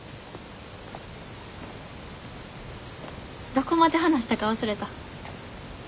どこまで話したか忘れた。